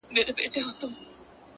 هغه ښايسته بنگړى په وينو ســـور دى!!